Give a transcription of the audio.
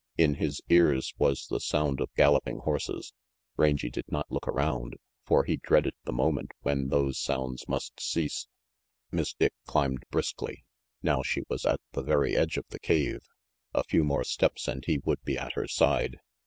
In his ears was the sound of gallop ing horses. Rangy did not look around, for he dreaded the moment when those sounds must cease. Miss Dick climbed briskly. Now she was at the very edge of the cave. A few more steps and he would be at her side.